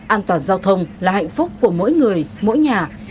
an toàn giao thông là hạnh phúc của mỗi người mỗi nhà